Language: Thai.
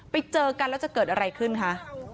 ไปเจอกันแล้วจะเกิดอะไรขึ้นคะ